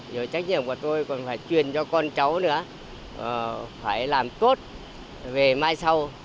rồi trách nhiệm của tôi còn phải truyền cho con cháu nữa phải làm tốt về mai sau